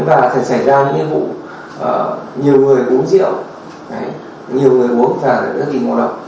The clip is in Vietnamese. và sẽ xảy ra những nhiệm vụ nhiều người uống rượu nhiều người uống và rất là nhiều ngộ độc